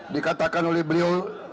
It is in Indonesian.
dikatakan oleh beliau